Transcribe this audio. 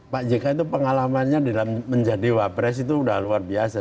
pak jk itu pengalamannya dalam menjadi wapres itu sudah luar biasa